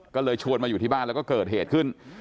ก็เลยชวนมาอยู่ที่บ้านแล้วก็เกิดเหตุขึ้น